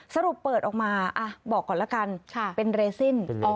สรุปเปิดออกมาบอกก่อนละกันเป็นเรซิน